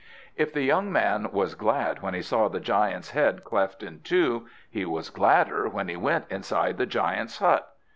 If the young man was glad when he saw the giant's head cleft in two, he was gladder when he went inside the giant's hut.